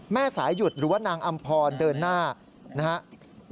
แม่สายหยุดหรือว่านางอำพรเดินหน้านะครับ